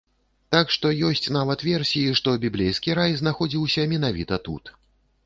Так што ёсць нават версіі, што біблейскі рай знаходзіўся менавіта тут.